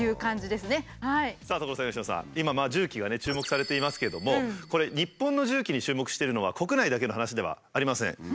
今重機がね注目されていますけれどもこれ日本の重機に注目してるのは国内だけの話ではありません。